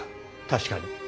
確かに。